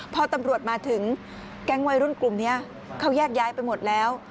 พอตำรวจมาถึงแก๊งวัยรุ่นกลุ่มนี้เขาแยกย้ายไปหมดแล้ว